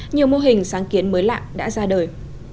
nhiều mô hình sáng kiến mới lạ đã ra đời